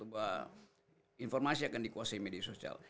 bahwa informasi akan dikuasai media sosial